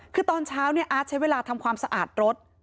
คือตอนเช้าเนี่ยอาร์ตใช้เวลาทำความสะอาดรถ